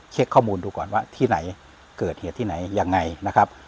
ข้อมูลดูก่อนว่าที่ไหนเกิดเหตุที่ไหนยังไงนะครับ